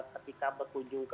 ketika berkunjung ke